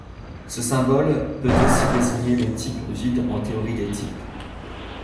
Ce symbole peut aussi désigner le type vide en théorie des types.